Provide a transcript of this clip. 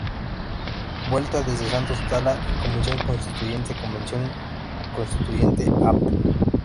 Vuelta: Desde Santos Tala y Convención Constituyente, Convención Constituyente, Av.